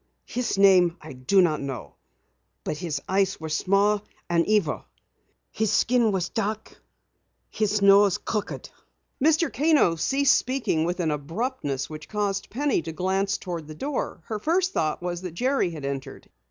"His name I do not know. But his eyes were small and evil. His skin was dark, his nose crooked." Mr. Kano ceased speaking with an abruptness which caused Penny to glance toward the door. Her first thought was that Jerry had entered.